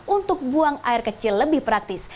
untuk buang air kecil lebih praktis